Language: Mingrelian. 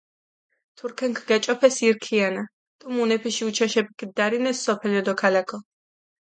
თურქენქ გეჭოფეს ირ ქიანა დო მუნეფიში უჩაშეფი ქჷდარინეს სოფელო დო ქალაქო.